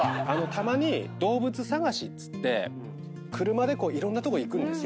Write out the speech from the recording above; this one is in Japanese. たまに動物探しっつって車でいろんなとこ行くんです。